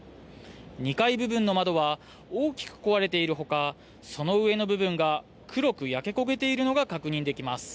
２階部分の窓は大きく壊れているほか、その上の部分が黒く焼け焦げているのが確認できます。